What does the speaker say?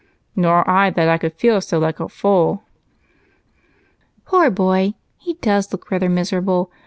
"Nor that I could feel so like a fool." "Poor boy! He does look rather miserable.